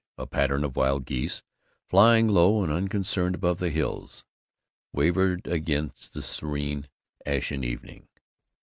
A pattern of wild geese, flying low and unconcerned above the hills, wavered against the serene ashen evening.